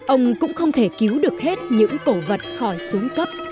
ông cũng không thể cứu được hết những cổ vật khỏi xuống cấp